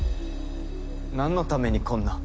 何のためにこんな。